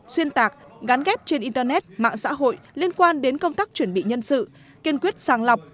xuyên tạc gắn kết trên internet mạng xã hội liên quan đến công tác chuẩn bị nhân sự kiên quyết sàng lọc